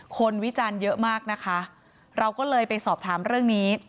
วิจารณ์เยอะมากนะคะเราก็เลยไปสอบถามเรื่องนี้